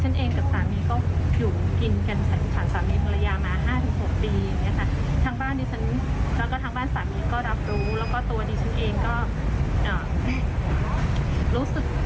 นี่ฉันเองกับสามีพี่ก็อยู่กินกัน